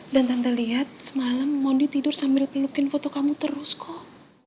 dan tante liat semalam mondi tidur sambil pelukin foto kamu terus kok